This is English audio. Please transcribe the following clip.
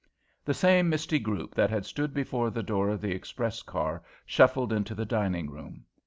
The same misty group that had stood before the door of the express car shuffled into the dining room.